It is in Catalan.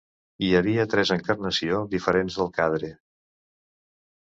Hi havia tres encarnació diferents del Cadre.